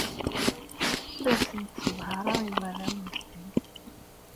Ur asent-sseḍhareɣ i warraw-nsent.